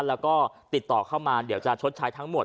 แล้วก็ติดต่อเข้ามาเดี๋ยวจะชดใช้ทั้งหมด